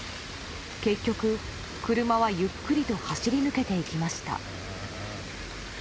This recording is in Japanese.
結局、車はゆっくりと走り抜けていきました。